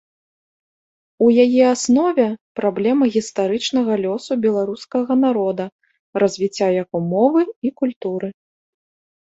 У яе аснове праблема гістарычнага лёсу беларускага народа, развіцця яго мовы і культуры.